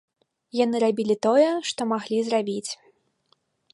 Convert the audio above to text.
Яны рабілі тое, што маглі зрабіць.